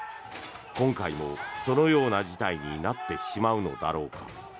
今回もそのような事態になってしまうのだろうか。